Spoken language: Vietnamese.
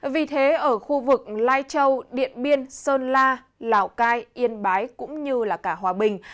vì thế ở khu vực lai châu điện biên sơn la lào cai yên bái cũng như cả hòa bình